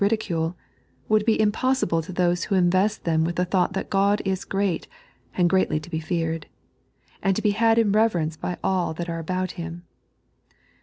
ridicule — will be impoesible to those who invest them with the thought that God is great, and greatly to be feared, and to be had in reverence by all that are about Kim.